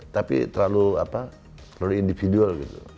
tapi terlalu individual gitu